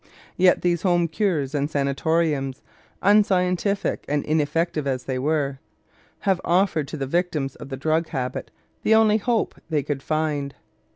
Yet these home cures and sanatoriums, unscientific and ineffective as they were, have offered to the victims of the drug habit the only hope they could find.